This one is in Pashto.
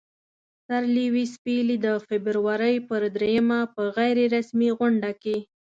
سر لیویس پیلي د فبرورۍ پر دریمه په غیر رسمي غونډه کې.